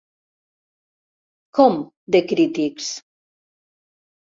Com, de crítics?